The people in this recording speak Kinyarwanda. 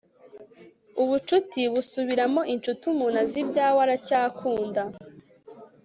ubucuti busubiramo inshuti umuntu azi ibyawe aracyakunda